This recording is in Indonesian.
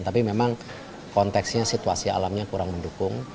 tapi memang konteksnya situasi alamnya kurang mendukung